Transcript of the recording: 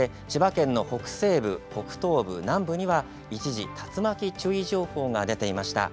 そして千葉県の北西部、東部、南部には一時、竜巻注意情報が出ていました。